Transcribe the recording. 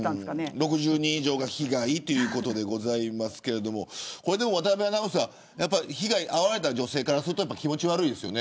６０人以上が被害ということですが渡邊アナウンサー被害に遭われた女性からすると気持ち悪いですよね。